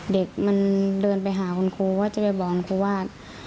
เด็กมันเดินไปหาคุณครูว่าจะไปบอกคุณครูว่า